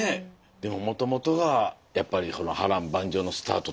でももともとがやっぱり波乱万丈のスタートといいますか。